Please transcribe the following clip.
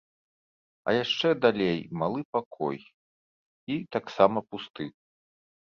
А яшчэ далей малы пакой, і таксама пусты.